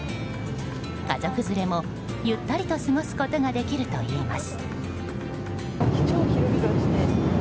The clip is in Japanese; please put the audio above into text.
家族連れもゆったりと過ごすことができるといいます。